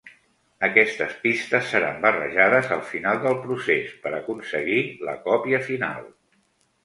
Aquestes pistes seran barrejades al final del procés per aconseguir la còpia final.